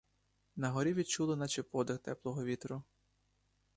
На горі відчули наче подих теплого вітру.